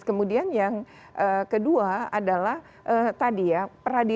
kemudian yang kedua adalah tadi ya